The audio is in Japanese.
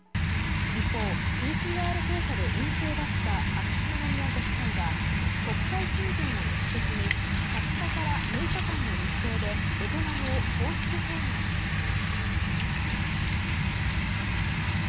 一方、ＰＣＲ検査で陰性だった秋篠宮ご夫妻は国際親善を目的に２０日から６日間の日程でベトナムを公式訪問されます。